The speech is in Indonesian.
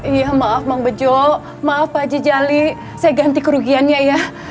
iya maaf bang bejo maaf pak jejali saya ganti kerugiannya ya